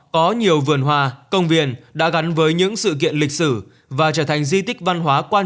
có nhiều vườn hoa công viên đã gắn với những sự kiện lịch sử và trở thành di tích văn hóa quan